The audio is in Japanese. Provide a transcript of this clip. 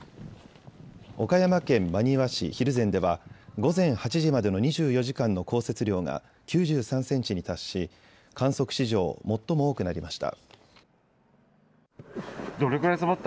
岡山県真庭市蒜山では午前８時までの２４時間の降雪量が９３センチに達し観測史上最も多くなりました。